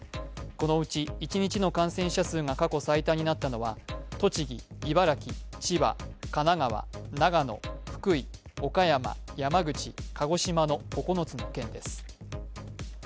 このうち一日の感染者数が過去最多になったのは、栃木、茨城、千葉神奈川、長野、福井、岡山、山口、鹿児島の９つの県です。